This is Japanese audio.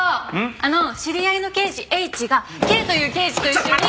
あの知り合いの刑事ＨがＫという刑事と一緒に。